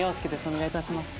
お願いいたします。